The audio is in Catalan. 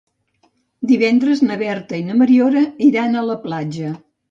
Divendres na Berta i na Mariona iran a la platja.